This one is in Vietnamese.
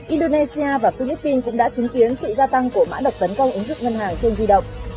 indonesia và philippines cũng đã chứng kiến sự gia tăng của mã độc tấn công ứng dụng ngân hàng trên di động